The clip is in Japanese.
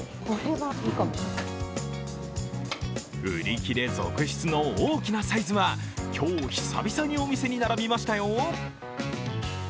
売り切れ続出の大きなサイズは今日、久々にお店に並びましたよ。